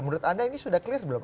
menurut anda ini sudah clear belum